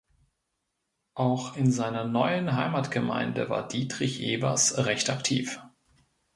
Auch in seiner neuen Heimatgemeinde war Dietrich Evers recht aktiv.